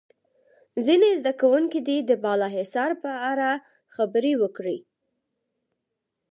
ځینې زده کوونکي دې د بالا حصار په اړه خبرې وکړي.